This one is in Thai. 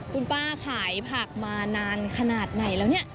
คุณป้าขายผักมานานขนาดไหนแล้วเนี่ย